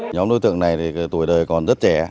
nhóm đối tượng này thì tuổi đời còn rất trẻ